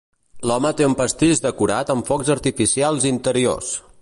L'home té un pastís decorat amb focs artificials interiors.